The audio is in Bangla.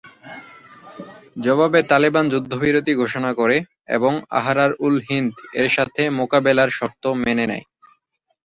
জবাবে তালেবান যুদ্ধবিরতি ঘোষণা করে এবং আহরার-উল-হিন্দ-এর সাথে মোকাবিলার শর্ত মেনে নেয়।